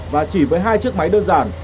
và chỉ với hai chiếc máy đơn giản